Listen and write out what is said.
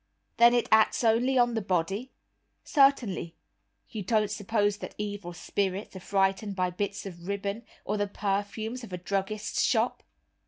"Then it acts only on the body?" "Certainly; you don't suppose that evil spirits are frightened by bits of ribbon, or the perfumes of a druggist's shop?